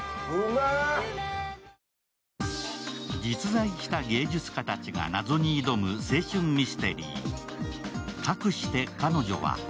実在した芸術家たちが謎に挑む青春ミステリー。